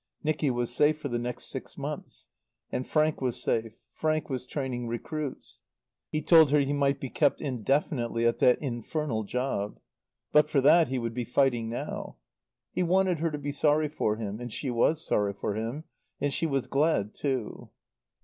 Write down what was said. Nicky was safe for the next six months. And Frank was safe. Frank was training recruits. He had told her he might be kept indefinitely at that infernal job. But for that he would be fighting now. He wanted her to be sorry for him; and she was sorry for him. And she was glad too.